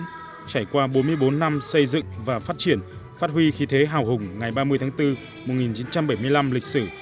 trải qua bốn mươi bốn năm xây dựng và phát triển phát huy khí thế hào hùng ngày ba mươi tháng bốn một nghìn chín trăm bảy mươi năm lịch sử